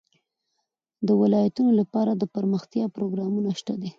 د ولایتونو لپاره دپرمختیا پروګرامونه شته دي.